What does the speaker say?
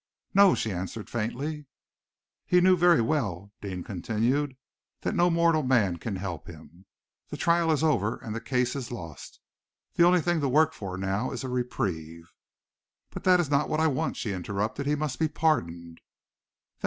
"No!" she answered faintly. "He knew very well," Deane continued, "that no mortal man can help him. The trial is over and the case is lost. The only thing to work for now is a reprieve." "But that is not what I want," she interrupted. "He must be pardoned!"